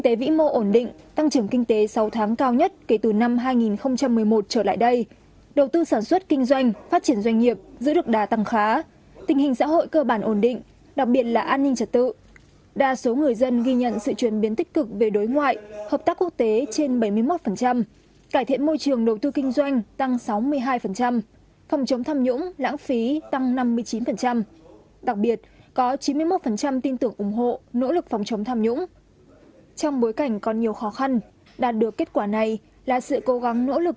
trong bối cảnh còn nhiều khó khăn đạt được kết quả này là sự cố gắng nỗ lực